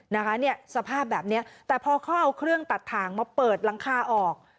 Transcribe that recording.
นะคะเนี่ยสภาพแบบเนี้ยแต่พอเขาเอาเครื่องตัดถ่างมาเปิดหลังคาออก